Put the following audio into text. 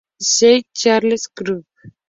Steel, Charles Schwab.